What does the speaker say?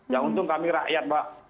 ya untung kami rakyat mbak